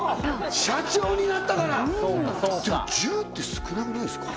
社長になったからでも１０って少なくないすか？